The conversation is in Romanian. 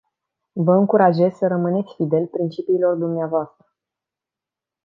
Vă încurajez să rămâneți fidel principiilor dvs.